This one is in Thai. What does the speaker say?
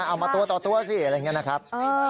เอามาตัวต่อตัวสิอะไรอย่างนี้นะครับ